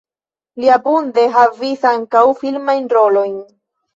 Li abunde havis ankaŭ filmajn rolojn.